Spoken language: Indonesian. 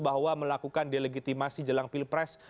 bahwa melakukan delegitimasi jelang pilpres